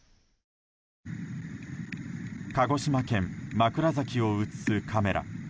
鹿児島県枕崎を映すカメラ。